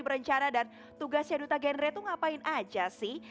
berencana dan tugasnya duta genre itu ngapain aja sih